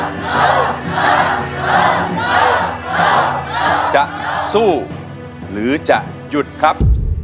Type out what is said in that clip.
อินโทรเพลงที่๒เลยครับ